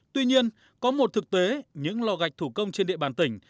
tuy nhiên có một thực tế những lò gạch thủ công trên địa bàn tỉnh